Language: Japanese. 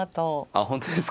あ本当ですか。